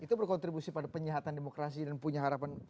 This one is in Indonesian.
itu berkontribusi pada penyihatan demokrasi dan punya harapan